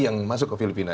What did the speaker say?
yang masuk ke filipina